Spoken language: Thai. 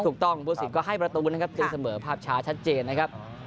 ถูกต้องผู้สินก็ให้ประตูนะครับตีเสมอภาพช้าชัดเจนนะครับ